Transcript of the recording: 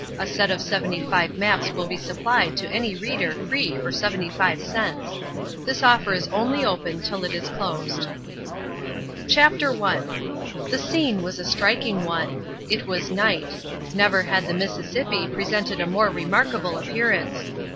A set of seventy five maps will be supplied to any reader free for seventy five cents. This offer is only open till it is closed_) VII. The Blue and the Grey: A Pre War War Story. CHAPTER I The scene was a striking one. It was night. Never had the Mississippi presented a more remarkable appearance.